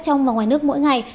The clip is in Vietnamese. trong và ngoài nước mỗi ngày